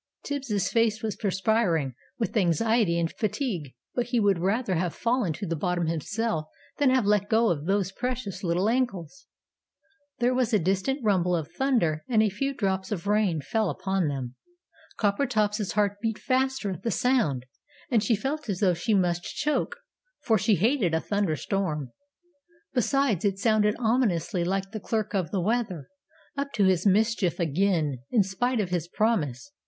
Tibbs' face was perspiring with anxiety and fatigue, but he would rather have fallen to the bottom himself, than have let go of those precious little ankles. There was a distant rumble of thunder, and a few drops of rain fell upon them. Coppertop's heart beat faster at the sound, and she felt as though she must choke, for she hated a thunderstorm. Besides, it sounded ominously like the Clerk of the Weather, up to his mischief again, in spite of his promise.